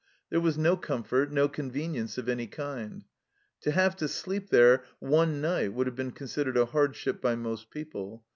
There was no comfort, no convenience of any kind. To have to sleep there one night would have been con sidered a hardship by most people.